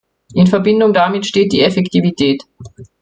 In Verbindung damit steht die Effektivität.